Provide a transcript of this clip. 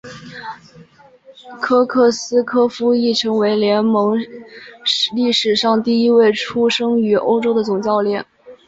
科克斯柯夫亦成为联盟历史上第一位出生于欧洲的总教练。